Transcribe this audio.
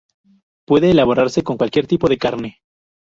Puede elaborarse con cualquier tipo de carne.